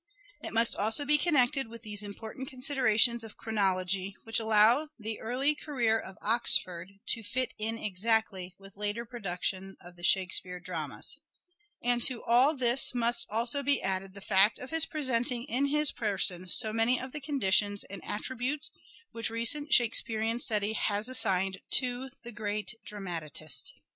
It must also be connected with these important considerations of chronology which allow the early career of Oxford to fit in exactly with later production of the " Shake speare " dramas, and to all this must also be added the fact of his presenting in his person so many of the conditions and attributes which recent Shakespearean study has assigned to the great dramatist.